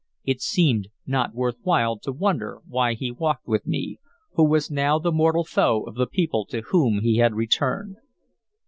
It seemed not worth while to wonder why he walked with me, who was now the mortal foe of the people to whom he had returned.